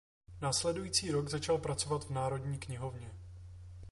Následující rok začal pracovat v Národní knihovně.